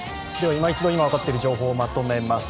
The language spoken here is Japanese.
今一度、今、分かっている一方をまとめます。